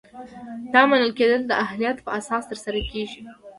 دا منل کیدل د اهلیت په اساس ترسره کیږي.